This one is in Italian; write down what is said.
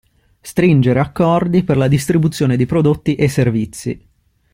Stringere accordi per la distribuzione di prodotti e servizi.